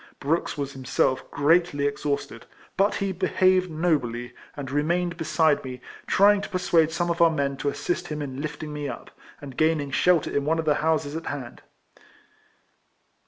Brooks was himself greatly exhausted, but he behaved nobly, and remained beside me, trjang to persuade some of our men to assist him in lifting me up, and gaining shelter in one of the houses at hand.